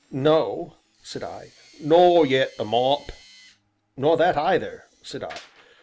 "No," said I. "Nor yet a mop?" "Nor that either," said I.